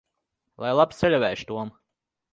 Lai labs ceļavējš, Tom!